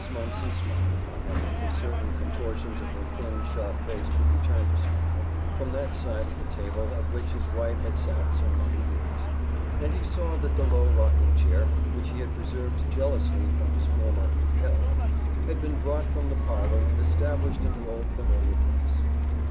Mumpson smiled upon him if certain contortions of her thin, sharp face could be termed a smile from that side of the table at which his wife had sat so many years, and he saw that the low rocking chair, which he had preserved jealously from his former "help," had been brought from the parlor and established in the old familiar place.